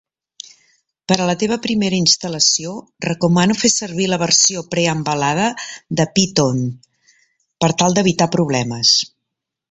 Per a la teva primera instal·lació, recomano fer servir la versió preembalada de Python per tal d'evitar problemes.